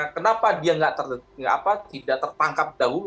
kenapa dia tidak tertangkap dahulu